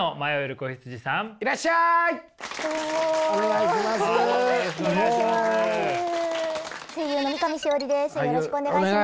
声優の三上枝織です。